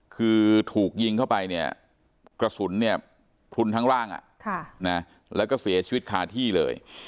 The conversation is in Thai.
คือถูกยิงเข้าไปเนี่ยกระสุนเนี่ยพลุนทั้งร่างแล้วก็เสียชีวิตคาที่เลย